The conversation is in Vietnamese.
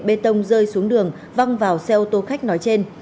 bê tông rơi xuống đường văng vào xe ô tô khách nói trên